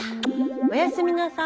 おやすみなさい。